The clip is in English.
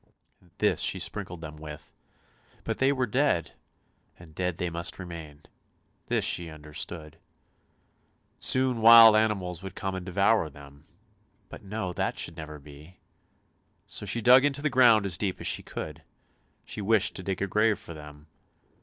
This she sprinkled them with; but they were dead, and dead they must remain! This she under stood. Soon wild animals would come and devour them; but no, that should never be; so she dug into the ground as deep as she could; she wished to dig a grave for them.